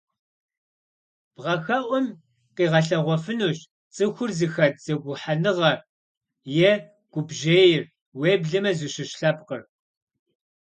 Бгъэхэӏум къигъэлъэгъуэфынущ цӏыхур зыхэт зэгухьэныгъэр е гупжьейр, уеблэмэ зыщыщ лъэпкъыр.